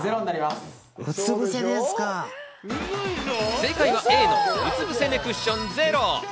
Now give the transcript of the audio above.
正解はＡのうつぶせ寝クッション０。